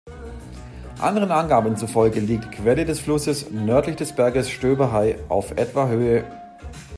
Anderen Angaben zufolge liegt Quelle des Flusses "„nördlich des Berges Stöberhai“" auf etwa Höhe.